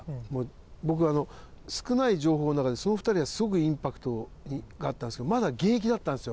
僕あの少ない情報の中でその２人がすごくインパクトがあったんですけどまだ現役だったんですよ